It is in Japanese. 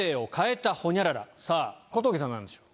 さぁ小峠さん何でしょう？